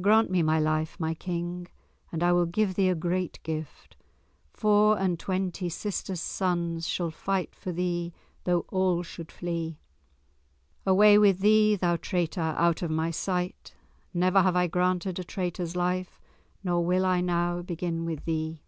"Grant me my life, my King, and I will give thee a great gift—four and twenty sisters' sons shall fight for thee though all should flee." "Away with thee, thou traitor, out of my sight! Never have I granted a traitor's life, nor will I now begin with thee!"